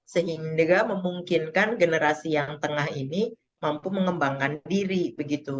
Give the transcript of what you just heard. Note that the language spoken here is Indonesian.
sehingga memungkinkan generasi yang tengah ini mampu mengembangkan diri begitu